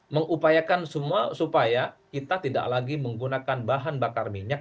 mengupayakan semua supaya kita tidak lagi menggunakan bahan bakar minyak